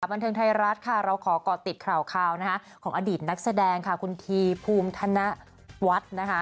บันเทิงไทยรัฐค่ะเราขอก่อติดข่าวนะคะของอดีตนักแสดงค่ะคุณทีภูมิธนวัฒน์นะคะ